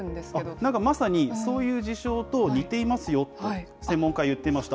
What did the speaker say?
なんかまさに、そういう事象と似ていますよって、専門家言っていました。